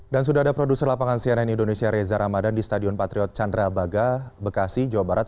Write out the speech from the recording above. dan sudah ada produser lapangan cnn indonesia reza ramadan di stadion patriot chandra baga bekasi jawa barat